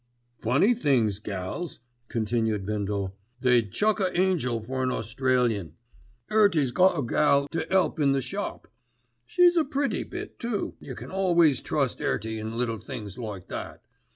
"Funny things gals," continued Bindle, "they'd chuck a angel for an Australian. 'Earty's got a gal to 'elp in the shop. She's a pretty bit too, yer can always trust 'Earty in little things like that.